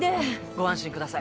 ご安心ください。